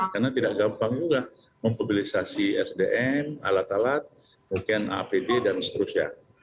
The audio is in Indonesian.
karena tidak gampang juga mempabilisasi sdm alat alat mungkin apd dan seterusnya